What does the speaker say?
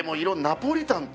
ナポリタン？